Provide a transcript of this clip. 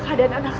sadinya lah